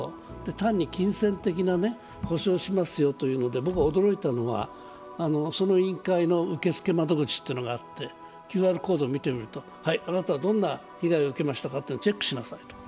単に金銭的な補償をしますよというんで僕が驚いたのは、その委員会の受付窓口というのがあってＱＲコードを見てみるとはい、あなたはどんな被害を受けましたとチェックしなさいと。